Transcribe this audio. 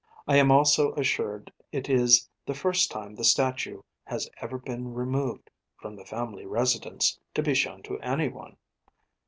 I am also assured it is the first time the statue has ever been removed from the family residence to be shown to anyone.